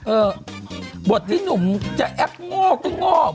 เออบทที่หนุ่มจะแอปงอกที่งอก